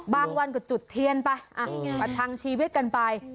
วันก็จุดเทียนไปประทังชีวิตกันไป